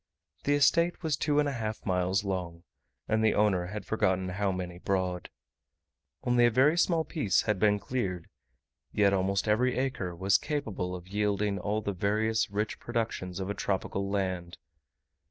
The estate was two and a half miles long, and the owner had forgotten how many broad. Only a very small piece had been cleared, yet almost every acre was capable of yielding all the various rich productions of a tropical land.